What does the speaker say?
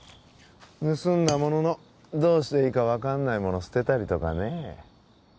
盗んだもののどうしていいか分かんないもの捨てたりとかねえ